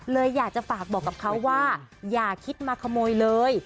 เลยอยากจะฝากบอกกับเขาว่าอย่าคิดมาขโมยเลย